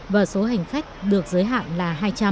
và số hành khách được giới hạn là hai trăm linh